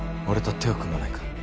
俺と手を組まないか？